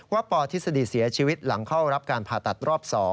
ปทฤษฎีเสียชีวิตหลังเข้ารับการผ่าตัดรอบ๒